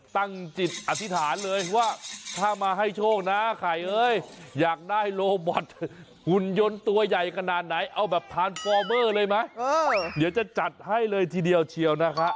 ตั้งจิตอธิษฐานเลยว่าถ้ามาให้โชคนะไข่เอ้ยอยากได้โลบอทหุ่นยนต์ตัวใหญ่ขนาดไหนเอาแบบทานฟอร์เมอร์เลยไหมเดี๋ยวจะจัดให้เลยทีเดียวเชียวนะคะ